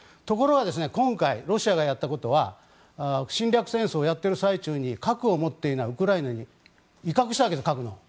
ところが今回、ロシアがやったことは侵略戦争をやっている最中に核を持っていないウクライナに核の威嚇をしたわけです。